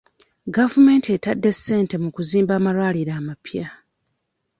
Gavumenti etadde sente mu kuzimba amalwaliro amapya.